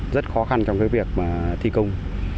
rất khó khăn trong cái việc thi công